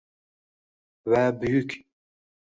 va buyuk.